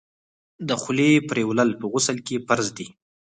د خولې پریولل په غسل کي فرض دي.